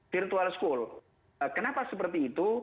virtual school kenapa seperti itu